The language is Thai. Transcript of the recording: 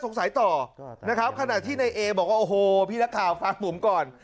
สงสัยต่อขณะที่นายเอบอกว่าโอ้โหพี่รักข่าวฟังผมก่อน